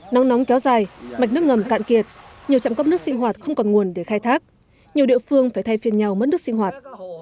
nắng nóng kéo dài mạch nước ngầm cạn kiệt nhiều trạm cấp nước sinh hoạt không còn nguồn để khai thác nhiều địa phương phải thay phiên nhau mất nước sinh hoạt